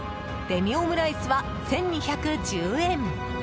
デミオムライスは、１２１０円。